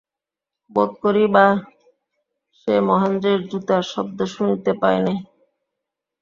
বোধ করি বা সে মহেন্দ্রের জুতার শব্দ শুনিতে পায় নাই।